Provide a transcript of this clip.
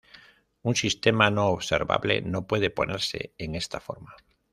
Un sistema no observable no puede ponerse en esta forma.